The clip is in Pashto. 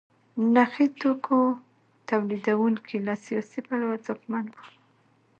نخي توکو تولیدوونکي له سیاسي پلوه ځواکمن وو.